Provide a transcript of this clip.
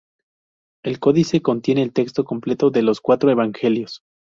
El códice contiene el texto completo de los cuatro Evangelios.